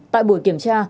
tại buổi kiểm tra